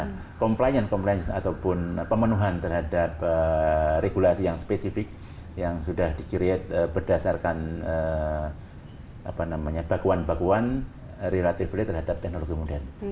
nah kompleksnya adalah pembelian ataupun pemenuhan terhadap regulasi yang spesifik yang sudah di create berdasarkan bakuan bakuan relatif terhadap teknologi modern